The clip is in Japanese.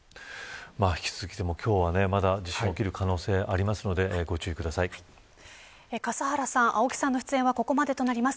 今日は、まだ地震が起きる可能性笠原さん、青木さんの出演はここまでとなります。